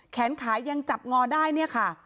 แขนขายังจับงอได้เนี่ยค่ะ